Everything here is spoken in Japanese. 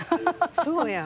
そうやん。